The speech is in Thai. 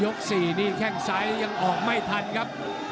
ยกสี่นี้แค่งตัวซ้ายยังออกไม่ทันครับ